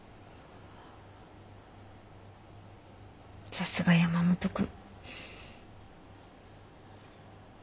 さすが山本君。